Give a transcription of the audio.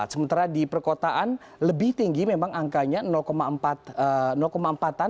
sementara di perkotaan lebih tinggi memang angkanya empat an